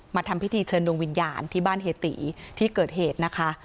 ทำพิธีเชิญดวงวิญญาณที่บ้านเฮียตีที่เกิดเหตุนะคะ